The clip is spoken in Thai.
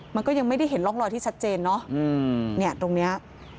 มันก็ยังไม่ได้เห็นร่องรอยที่ชัดเจนเนอะเนี่ยตรงเนี้ย